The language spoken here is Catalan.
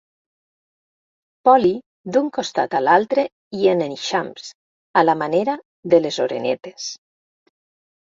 Voli d'un costat a l'altre i en eixams, a la manera de les orenetes.